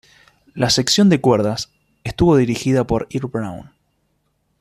La sección de cuerdas, estuvo dirigida por Earl Brown.